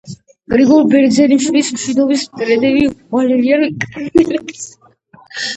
გრიგოლ ბერძენიშვილის „მშვიდობის მტრედები“, ვალერიან კანდელაკის „მაია წყნეთელი“ და სხვა.